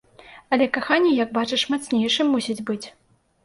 Але каханне, як бачыш, мацнейшым мусіць быць.